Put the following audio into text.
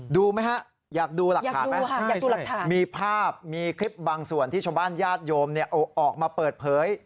ดูไหมฮะอยากดูหลักฐานไหมมีภาพมีคลิปบางส่วนที่ชาวบ้านญาติโยมเอาออกมาเปิดเผย